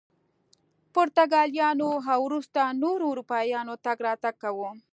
پرتګالیانو او وروسته نورو اروپایانو تګ راتګ کاوه.